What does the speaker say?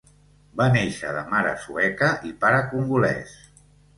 Va néixer de mare sueca i pare congolès.